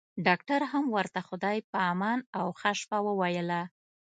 ډاکټر هم ورته خدای په امان او ښه شپه وويله.